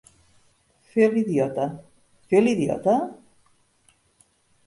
Fer l'idiota, fer l'idiota?